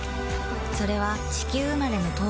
それは地球生まれの透明感